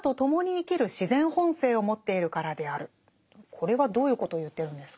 これはどういうことを言ってるんですか？